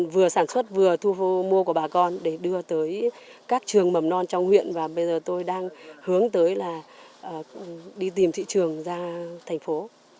vừa sản xuất vừa thu mua của bà con để đưa tới các trường mầm non trong huyện và bây giờ tôi đang hướng tới là đi tìm thị trường ra thành phố